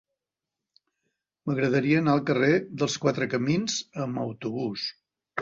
M'agradaria anar al carrer dels Quatre Camins amb autobús.